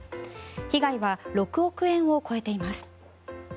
被害は６億円を超えています。